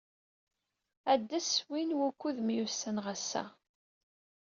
Ades win wukud myussaneɣ ass-a!